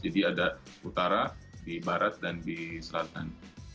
jadi ada utara di barat dan di selatan